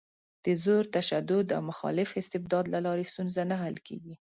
د زور، تشدد او مخالف استبداد له لارې ستونزه نه حل کېږي.